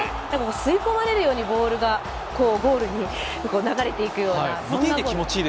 吸い込まれるようにボールがゴールに流れていくような。